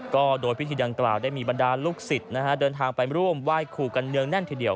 ก็โดยพิธีดังกล่าวได้มีบรรดาลูกศิษย์นะฮะเดินทางไปร่วมไหว้ครูกันเนืองแน่นทีเดียว